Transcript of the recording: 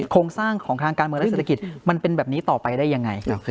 โครงสร้างของทางการเมืองและเศรษฐกิจมันเป็นแบบนี้ต่อไปได้ยังไง